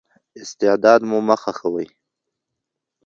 استعداد مو مه خښوئ.